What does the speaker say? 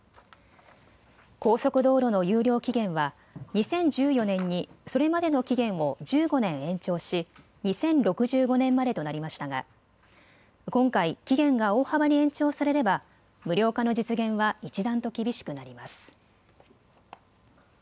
高速道路の有料期限は２０１４年にそれまでの期限を１５年延長し、２０６５年までとなりましたが今回、期限が大幅に延長されれば無料化の実現は一段と厳しくなります。